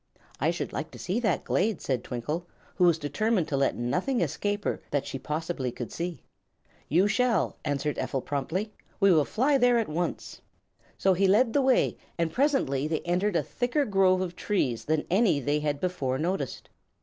"I should like to see that glade," said Twinkle, who was determined to let nothing escape her that she could possibly see. "You shall," answered Ephel, promptly. "We will fly there at once." So he led the way and presently they entered a thicker grove of trees than any they had before noticed.